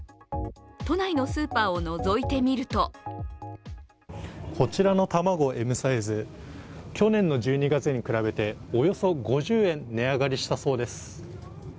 都内のスーパーをのぞいてみるとこちらの卵Ｍサイズ、去年の１２月に比べておよそ５０円、値上がりしたそうです